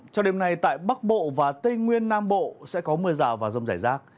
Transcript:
trong đêm nay tại bắc bộ và tây nguyên nam bộ sẽ có mưa rào và rông rải rác